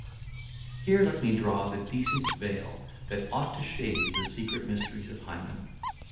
Here let me draw the decent veil that ought to shade the secret mysteries of Hymen.